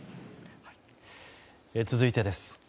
続いてです。